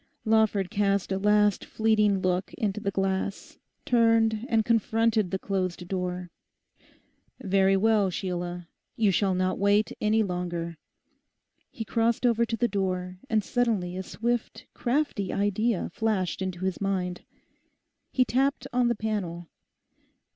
Lawford cast a last fleeting look into the glass, turned, and confronted the closed door. 'Very well, Sheila, you shall not wait any longer.' He crossed over to the door, and suddenly a swift crafty idea flashed into his mind. He tapped on the panel.